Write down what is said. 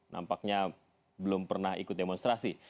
nampaknya belum pernah ikut demonstrasi